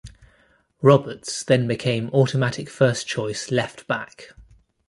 Roberts then became automatic first choice left-back.